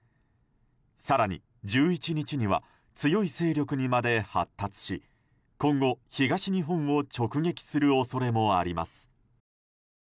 更に１１日には強い勢力にまで発達し今後、東日本を直撃する恐れもあります。